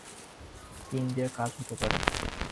Pin দিয়ে কাজ হতে পারে।